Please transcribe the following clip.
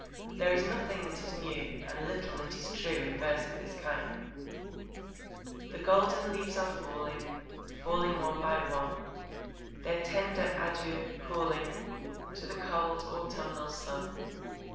There is nothing that is new and little that is true in verse of this kind: The golden leaves are falling, Falling one by one, Their tender 'Adieux' calling To the cold autumnal sun.